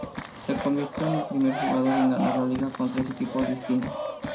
Se convirtió en el primer jugador en ganar la liga con tres equipos distintos.